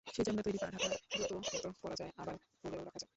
সেই চামড়ার তৈরি পা-ঢাকনা জুতমতো পরা যায়, আবার খুলেও রাখা যায়।